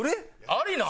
ありなん？